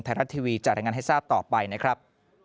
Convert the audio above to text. ไทยรัฐทีวีจะรายงานให้ทราบต่อไปนะครับ